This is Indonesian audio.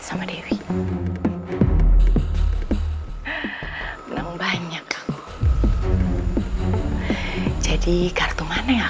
anak ini adalah anak kandung anda